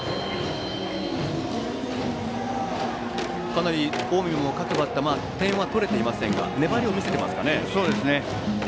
かなり近江の各バッターは点は取れていませんが粘りを見せていますかね。